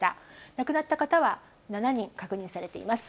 亡くなった方は７人、確認されています。